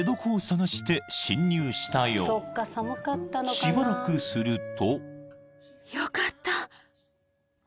［しばらくすると］